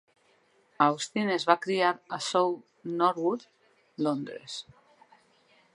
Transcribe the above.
Austin es va criar a South Norwood, Londres.